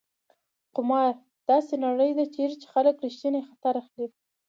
قمار: داسې نړۍ ده چېرې خلک ریښتینی خطر اخلي.